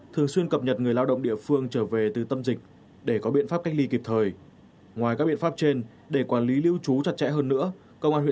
thường xuyên cập nhật người lao động địa phương trở về từ tâm dịch để có biện pháp cách ly kịp thời